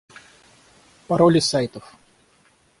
Пароли сайтов